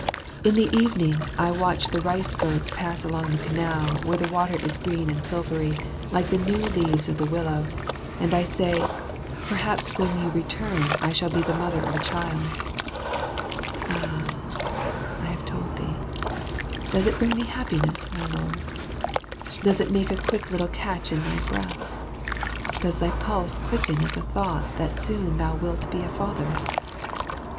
In the evening I watch the rice boats pass along the canal, where the water is green and silvery like the new leaves of the willow, and I say, "Perhaps when you return, I shall be the mother of a child." Ah ! I have told thee. Does it bring thee happiness, my lord? Does it make a quick little catch in thy breath? Does thy pulse quicken at the thought that soon thou wilt be a father? [Illustration: Mylady12.